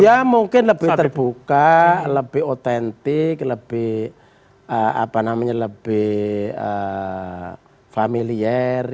ya mungkin lebih terbuka lebih otentik lebih familiar